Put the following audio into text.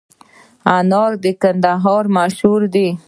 انار د کندهار مشهور دي